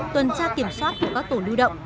tuần tra kiểm soát của các tổ lưu động